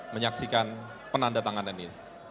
menyaksikan penanda tanganan ini